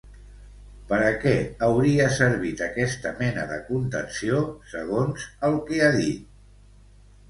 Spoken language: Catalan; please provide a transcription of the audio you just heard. Per a què hauria servit aquesta mena de contenció, segons el que ha dit?